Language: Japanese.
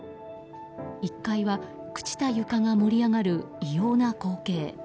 １階は朽ちた床が盛り上がる異様な光景。